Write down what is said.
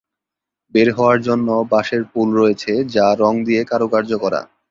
বের হওয়ার জন্য বাঁশের পুল রয়েছে যা রং দিয়ে কারুকার্য করা।